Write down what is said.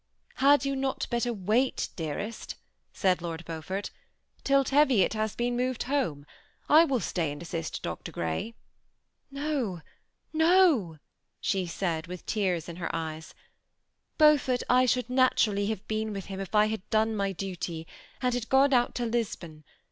^ Had you not better wait, dearest," said Lord Beau fort, ^ till Teviot has been moved home ? I will stay and assist Dr. Grey." THE SEMI ATTACHED COUPLE. 809 " No, no/' she said, with tears in her eyes. " Beau fort, I should naturally have been with him if I had done my duty, and had gone out to Lisbon.